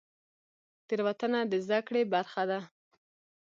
تیروتنه د زده کړې برخه ده